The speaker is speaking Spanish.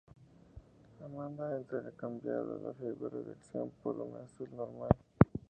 Amanda ha intercambiado la figura de acción por una azul normal.